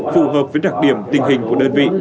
phù hợp với đặc điểm tình hình của đơn vị